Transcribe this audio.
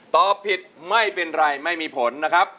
ตอบผิดไม่เป็นไรไม่มีผลนะครับ